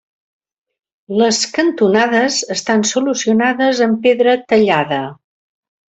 Les cantonades estan solucionades amb pedra tallada.